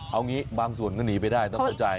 เอางี้บางส่วนก็หนีไปได้ต้องเข้าใจ